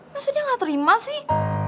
maksudnya gak terima sih